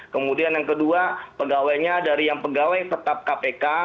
kemudian yang kedua pegawainya dari yang pegawai tetap kpk